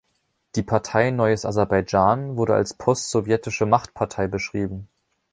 Die Partei Neues Aserbaidschan wurde als post-sowjetische Machtpartei beschrieben.